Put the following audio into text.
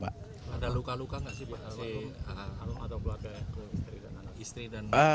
ada luka luka gak sih pak